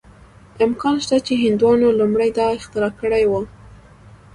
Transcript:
امکان شته چې هندوانو لومړی دا اختراع کړې وه.